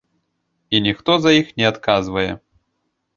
І ніхто за іх не адказвае.